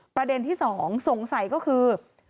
ประเด็นที่๒สงสัยก็คือ